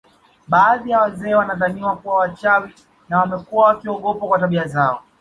Baadhi ya wazee wanadhaniwa kuwa wachawi na wamekuwa wakiogopwa kwa tabia zao